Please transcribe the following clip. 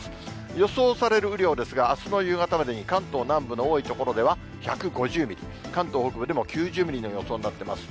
予想される雨量ですが、あすの夕方までに、関東南部の多い所では１５０ミリ、関東北部でも９０ミリの予想になっています。